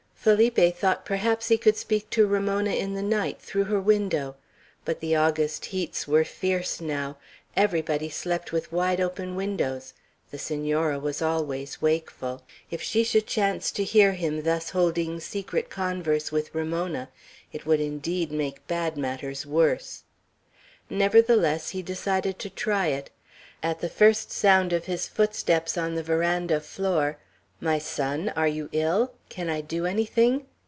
Felipe thought perhaps he could speak to Ramona in the night, through her window. But the August heats were fierce now; everybody slept with wide open windows; the Senora was always wakeful; if she should chance to hear him thus holding secret converse with Ramona, it would indeed make bad matters worse. Nevertheless, he decided to try it. At the first sound of his footsteps on the veranda floor, "My son, are you ill? Can I do anything?"